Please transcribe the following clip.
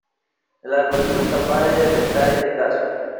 El algoritmo es capaz de detectar este caso.